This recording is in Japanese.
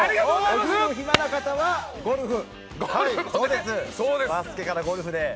お昼暇な方はゴルフ！